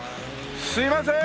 すいませーん！